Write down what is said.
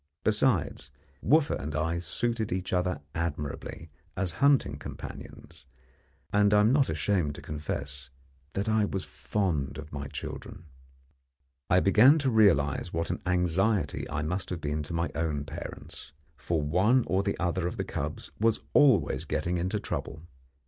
Besides, Wooffa and I suited each other admirably as hunting companions, and I am not ashamed to confess that I was fond of my children. I began to realize what an anxiety I must have been to my own parents, for one or the other of the cubs was always getting into trouble.